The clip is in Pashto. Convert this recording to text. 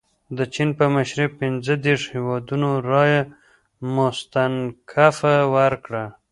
د چین په مشرۍ پنځه دېرش هیوادونو رایه مستنکفه ورکړه.